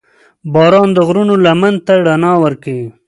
• باران د غرونو لمن ته رڼا ورکوي.